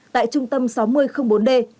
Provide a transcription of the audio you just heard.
tại trung tâm sáu mươi bốn d